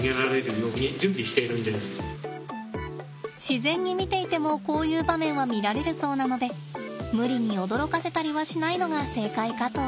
自然に見ていてもこういう場面は見られるそうなので無理に驚かせたりはしないのが正解かと。